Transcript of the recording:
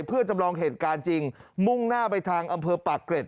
เพื่อจำลองเหตุการณ์จริงมุ่งหน้าไปทางอำเภอปากเกร็ด